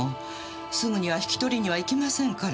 すぐには引き取りには行きませんから。